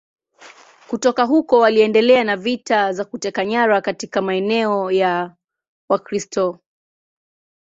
Kutoka huko waliendelea na vita za kuteka nyara katika maeneo ya Wakristo.